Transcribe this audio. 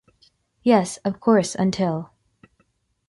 Yes of course until